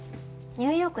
ニューヨーク？